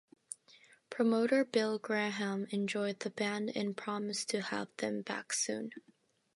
Promoter Bill Graham enjoyed the band and promised to have them back soon.